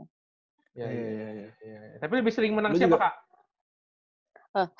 tapi lebih sering menang siapa pak